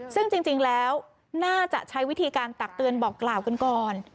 ซึ่งจริงแล้วน่าจะใช้วิธีการตักเตือนบอกกล่าวกันก่อน